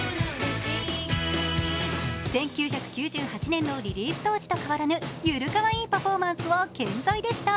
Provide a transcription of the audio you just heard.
１９９８年のリリース当時と変わらぬ緩かわいいパフォーマンスは健在でした。